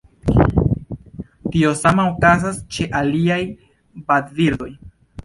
Tio sama okazas ĉe aliaj vadbirdoj.